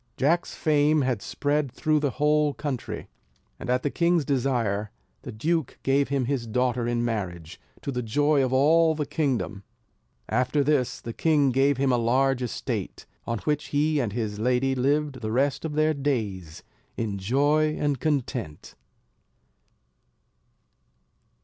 Jack's fame had spread through the whole country; and at the king's desire, the duke gave him his daughter in marriage, to the joy of all the kingdom. After this the king gave him a large estate; on which he and his lady lived the rest of their days, in joy and content.